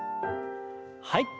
はい。